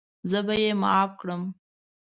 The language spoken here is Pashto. زه به یې معاف کړم.